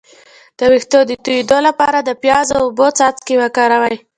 د ویښتو د تویدو لپاره د پیاز او اوبو څاڅکي وکاروئ